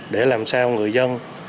để làm sao người dân